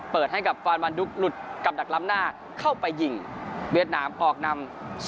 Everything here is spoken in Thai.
เปิดให้กับฟานวันดุ๊กหลุดกับดักล้ำหน้าเข้าไปยิงเวียดนามออกนำ